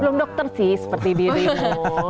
belum dokter sih seperti dirinya